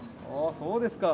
そうですか。